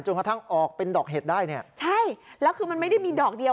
กระทั่งออกเป็นดอกเห็ดได้เนี่ยใช่แล้วคือมันไม่ได้มีดอกเดียว